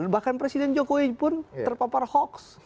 bahkan presiden jokowi pun terpapar hoax